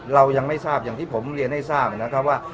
เรายังไม่ทราบอย่างที่ผมเรียนให้ทราบนะครับว่า